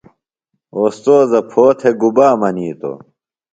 اوستوذہ پھو تھےۡ گُبا منیتوۡ؟